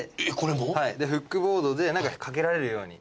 フックボードで何か掛けられるように。